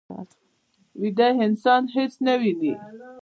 ویده انسان هېڅ نه ویني